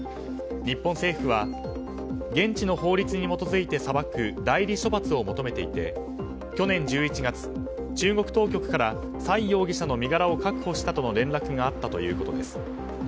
日本政府は現地の法律に基づいて裁く代理処罰を求めていて去年１１月中国当局からサイ容疑者の身柄を確保したとの連絡があったということです。